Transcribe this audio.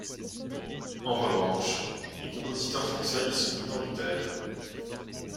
En revanche, les compositeurs français y sont minoritaires.